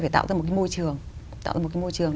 phải tạo ra một cái môi trường